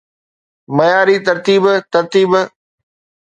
معياري ترتيب ترتيب